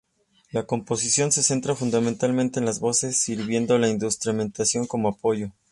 La composición se centra fundamentalmente en las voces, sirviendo la instrumentación como apoyo.